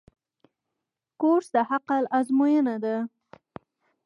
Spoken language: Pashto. کورس د عقل آزموینه ده.